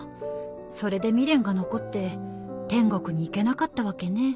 それで未練が残って天国に行けなかったわけね。